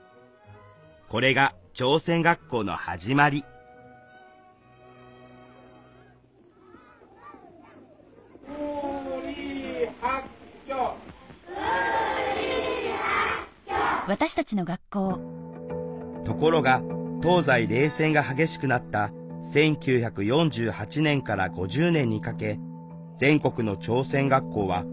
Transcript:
これが朝鮮学校の始まりところが東西冷戦が激しくなった１９４８年から５０年にかけ全国の朝鮮学校はＧＨＱと日本政府によって強制的に閉鎖